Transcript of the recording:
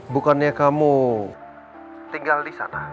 bukannya kamu tinggal disana